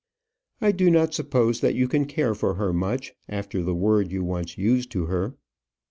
"I do not suppose that you can care for her much, after the word you once used to her."